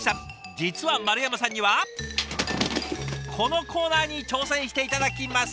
実は丸山さんにはこのコーナーに挑戦して頂きます。